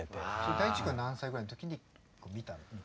大知君が何歳ぐらいの時に見たの？